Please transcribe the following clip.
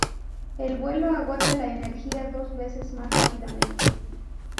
El vuelo agota la energía dos veces más rápidamente.